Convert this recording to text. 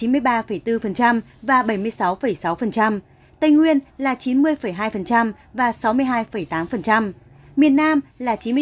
miền trung là chín mươi ba bốn và bảy mươi sáu sáu tây nguyên là chín mươi hai và sáu mươi hai tám miền nam là chín mươi chín sáu và tám mươi bảy bốn